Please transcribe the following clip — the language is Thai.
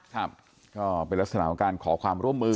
ครับก็เป็นลักษณะของการขอความร่วมมือ